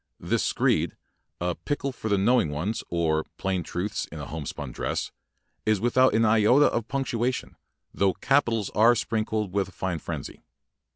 This screed, "A Pickle for the Knowing Ones, or Plain Truths in a Homespun Dress", is without an iota of punctuation, though capitals are sprinkled with a fine frenzy.